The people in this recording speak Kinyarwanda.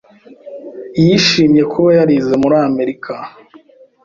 Yishimiye kuba yarize muri Amerika.